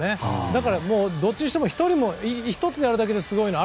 だから、どっちにしても１つやるだけですごいの。